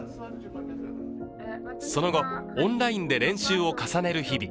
その後、オンラインで練習を重ねる日々。